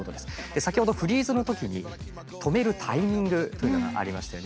先ほどフリーズの時に止めるタイミングというのがありましたよね。